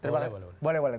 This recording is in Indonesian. boleh boleh boleh